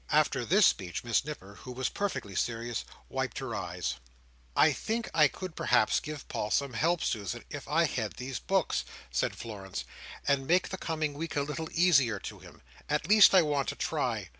After this speech, Miss Nipper, who was perfectly serious, wiped her eyes. "I think I could perhaps give Paul some help, Susan, if I had these books," said Florence, "and make the coming week a little easier to him. At least I want to try.